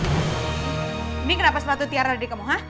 ini kenapa sepatu tiara dikemuka